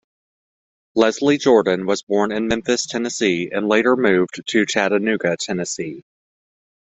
Leslie Jordan was born in Memphis, Tennessee and later moved to Chattanooga, Tennessee.